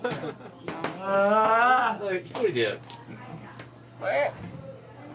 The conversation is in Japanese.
１人でやる。